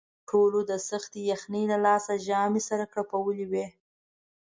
ټولو د سختې یخنۍ له لاسه ژامې سره کړپولې وې.